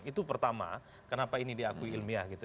itu pertama kenapa ini diakui ilmiah gitu